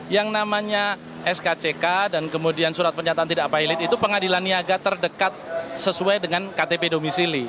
yang namanya skck dan kemudian surat pernyataan tidak pilot itu pengadilan niaga terdekat sesuai dengan ktp domisili